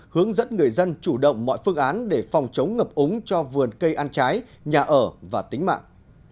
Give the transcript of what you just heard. hướng dẫn người dân chủ động mọi phương án để phòng chống ngập úng cho vườn cây ăn trái nhà ở và tính mạng